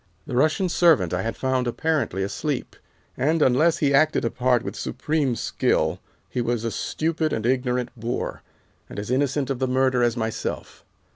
"The Russian servant I had found apparently asleep, and, unless he acted a part with supreme skill, he was a stupid and ignorant boor, and as innocent of the murder as myself.